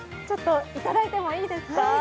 ちょっといただいてもいいですか？